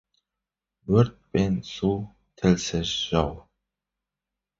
Өрт пен су — тілсіз жау.